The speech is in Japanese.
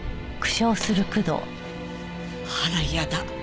あら嫌だ。